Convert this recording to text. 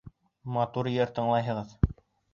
Матур йыр тыңлайһығыҙ.